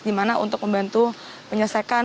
di mana untuk membantu penyelesaikan